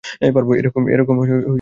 এরকম আচরণ করিস না।